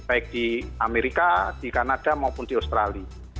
baik di amerika di kanada maupun di australia